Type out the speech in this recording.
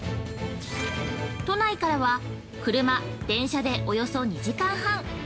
都内からは、車・電車でおよそ２時間半。